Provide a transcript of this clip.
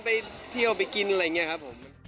ไปเที่ยวไปกินอะไรอย่างนี้ครับผม